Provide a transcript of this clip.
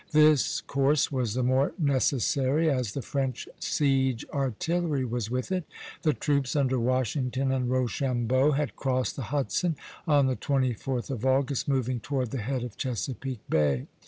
This course was the more necessary as the French siege artillery was with it. The troops under Washington and Rochambeau had crossed the Hudson on the 24th of August, moving toward the head of Chesapeake Bay.